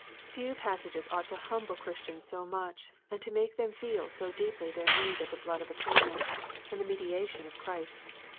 Few passages ought to humble Christians so much, and to make them feel so deeply their need of the blood of afonement, and the mediation of Chcist.